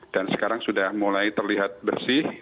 dan sekarang sudah mulai terlihat bersih